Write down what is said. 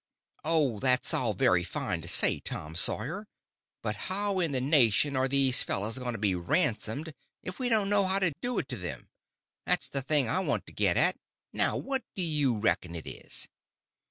"Oh, that's all very fine to say, Tom Sawyer, but how in the nation are these fellows going to be ransomed if we don't know how to do it to them?—that's the thing I want to get at. Now, what do you reckon it is?"